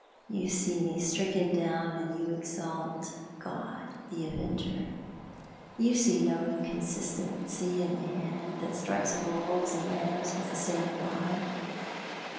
You see me stricken down and you exalt God the Avenger. You see no inconsistency in the hand that strikes wolves and lambs with the same rod.